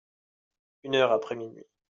Une heure après minuit.